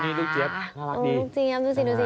นี่ลูกเจี๊ยบน่ารักนี่